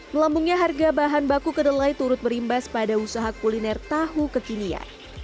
melambungnya harga bahan baku kedelai turut berimbas pada usaha kuliner tahu kekinian